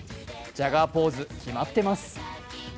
ジャガーポーズ、決まってます。